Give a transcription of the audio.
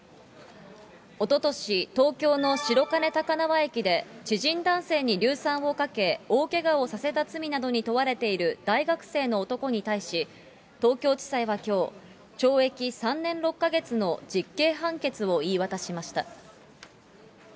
おととし、東京の白金高輪駅で知人男性に硫酸をかけ、大けがをさせた罪などに問われている大学生の男に対し、東京地裁はきょう、懲役３年６か月の実刑判決を言い渡しました。